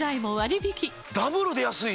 ダブルで安いな！